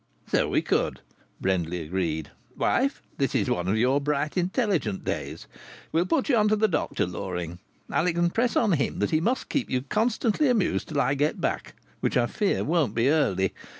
"So we could!" Brindley agreed. "Wife, this is one of your bright, intelligent days. We'll put you on to the doctor, Loring. I'll impress on him that he must keep you constantly amused till I get back, which I fear it won't be early.